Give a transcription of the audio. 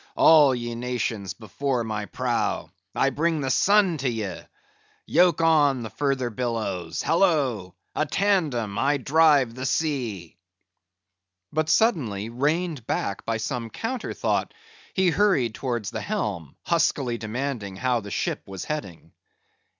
all ye nations before my prow, I bring the sun to ye! Yoke on the further billows; hallo! a tandem, I drive the sea!" But suddenly reined back by some counter thought, he hurried towards the helm, huskily demanding how the ship was heading.